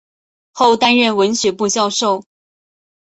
后担任文学部教授。